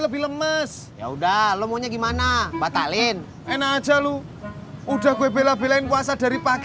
lebih lemes ya udah lemonya gimana batalin enak aja lu udah gue bela belain puasa dari pagi